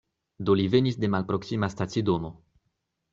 Do li venis de malproksima stacidomo.